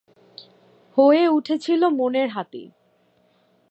হয়ে উঠেছিল মনের হাতি।